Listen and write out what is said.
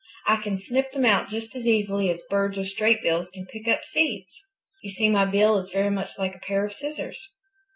I can snip them out just as easily as birds with straight bills can pick up seeds. You see my bill is very much like a pair of scissors."